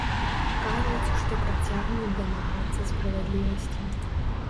Кажуць, што працягнуць дамагацца справядлівасці.